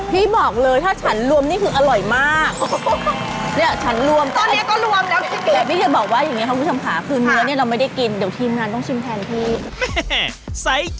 พี่บอกเลยถ้าฉันรวมนี่คืออร่อยมาก